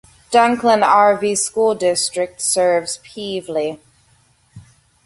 Dunklin R-V School District serves Pevely.